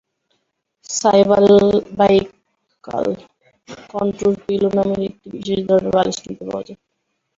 Cervical contour pillow নামের একটি বিশেষ ধরনের বালিশ কিনতে পাওয়া যায়।